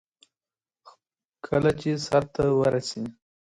ازادي راډیو د اطلاعاتی تکنالوژي په اړه د پرمختګ لپاره د ستراتیژۍ ارزونه کړې.